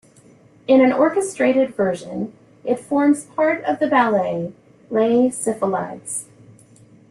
In an orchestrated version, it forms part of the ballet "Les Sylphides".